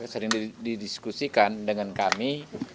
sering didiskusikan dengan kami